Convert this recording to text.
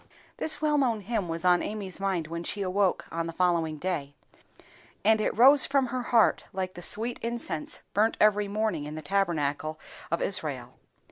THIS well known hymn was on Amy's mind when she awoke on the following day, and it rose from her heart like the sweet incense burnt every morning in the Tabernacle of Israel.